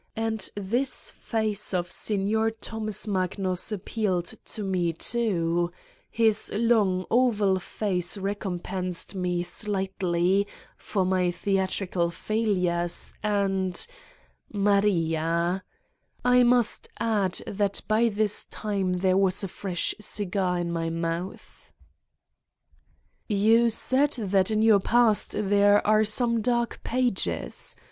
And tliis face of Signor Thomas Magnus appealed to me, too; his long, oval face recompensed me slightly for my theatrical failures and ... Maria. I must add that by this time there was a fresh cigar in my mouth. 117 Satan's Diary "You said that in your past there are some dark pages